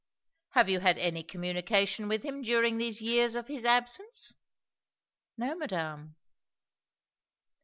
"Have you had any communication with him during these years of his absence?" "No, madame."